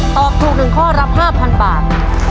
ตอบถูกหนึ่งข้อรับ๕๐๐๐บาท